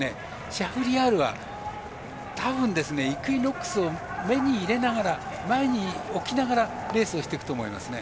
シャフリヤールは多分、イクイノックスを目に入れながら前に置きながらレースをしていくと思いますね。